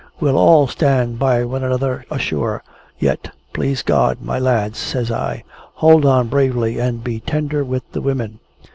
"We'll all stand by one another ashore, yet, please God, my lads!" says I. "Hold on bravely, and be tender with the women."